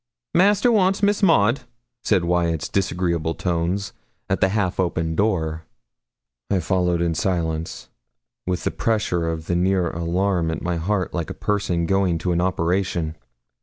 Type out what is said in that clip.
'Master wants Miss Maud,' said Wyat's disagreeable tones, at the half open door. I followed in silence, with the pressure of a near alarm at my heart, like a person going to an operation.